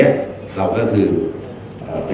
ขอบคุณครับ